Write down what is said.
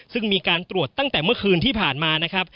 ซึ่งมีการตรวจตั้งแต่เมื่อคืนที่ผ่านมานะครับ